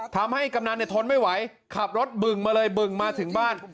กำนันเนี่ยทนไม่ไหวขับรถบึงมาเลยบึงมาถึงบ้าน